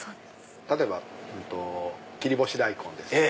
例えば切り干し大根ですとか。